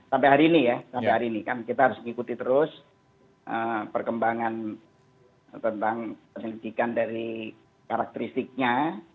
sampai hari ini ya sampai hari ini kan kita harus mengikuti terus perkembangan tentang penyelidikan dari karakteristiknya